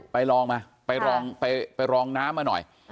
ลองมาไปรองน้ำมาหน่อย